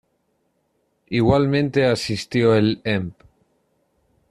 Igualmente asistió el Emb.